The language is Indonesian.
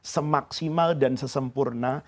semaksimal dan sesempurna